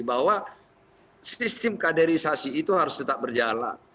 bahwa sistem kaderisasi itu harus tetap berjalan